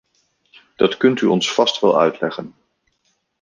Dat kunt u ons vast wel uitleggen.